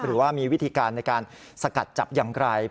หรือว่ามีวิธีการในการสกัดจับอย่างไร